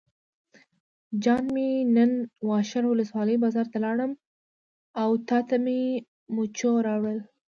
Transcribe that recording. جان مې نن واشر ولسوالۍ بازار ته لاړم او تاته مې مچو راوړل.